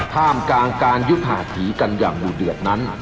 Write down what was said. ท่ามกลางการยุดหาผีกันอย่างดูเดือดนั้น